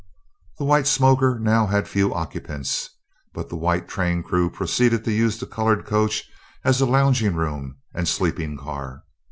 The white smoker now had few occupants, but the white train crew proceeded to use the colored coach as a lounging room and sleeping car.